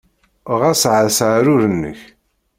Ɣas ɛass aɛrur-nnek.